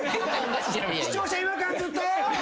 視聴者違和感ずっと？